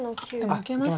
受けました。